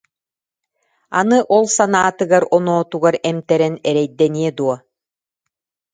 Аны ол санаатыгар-оноотугар эмтэрэн эрэйдэниэ дуо